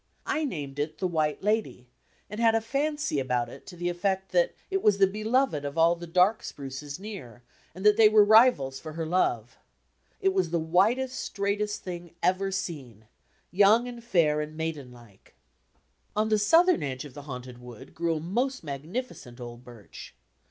I named it "The White Lady," and had a fancy about it to the effea that it was the beloved of all the dark spruces near, and that they were rivals for her love. It was '"'„,. .,Google the whitest straightest thing ever seen, young and fair and maiden like. On the southern edge of the Haunted Wood grew a most magnificent old birch.